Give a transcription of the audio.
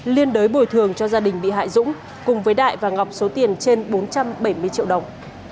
liên đối bồi thường cho gia đình bị hại dũng cùng với đại và ngọc số tiền trên bốn trăm bảy mươi triệu đồng